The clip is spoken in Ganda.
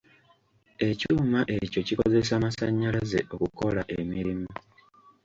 Ekyuma ekyo kikozesa masannyalaze okukola emirimu.